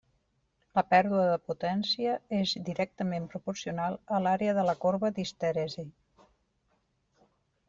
La pèrdua de potència és directament proporcional a l'àrea de la corba d'histèresi.